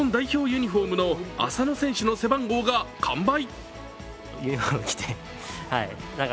ユニフォームの浅野選手の背番号が完売。